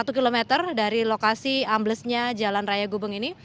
jadi ini adalah lokasi amblesnya jalan raya gubeng ini